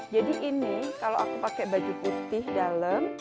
jadi ini kalau aku pakai baju putih dalam